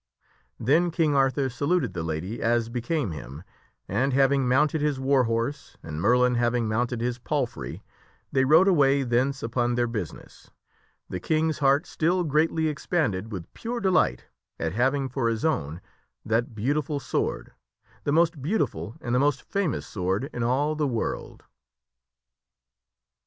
Then King Arthur saluted the lady, as became him, and, having mounted his war horse, and Merlin having mounted his palfrey, they rode away thence upon their business the King's heart still greatly expanded with pure delight at having for his own that beautiful sword the most beauti ful and the most famous sword in all the world.